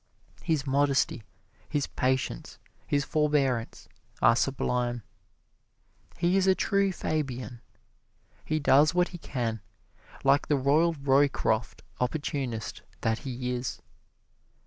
His modesty, his patience, his forbearance, are sublime. He is a true Fabian he does what he can, like the royal Roycroft opportunist that he is.